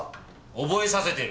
覚えさせてる。